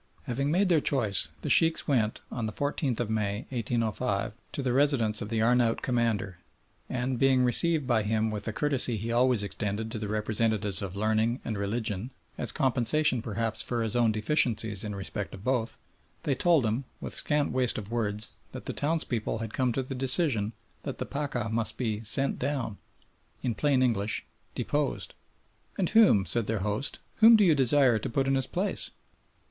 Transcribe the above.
Having made their choice the Sheikhs went, on the 14th of May, 1805, to the residence of the Arnout Commander, and being received by him with the courtesy he always extended to the representatives of learning and religion, as compensation perhaps for his own deficiencies in respect of both, they told him, with scant waste of words, that the townspeople had come to the decision that the Pacha must be "sent down," in plain English deposed. "And whom," said their host, "whom do you desire to put in his place?"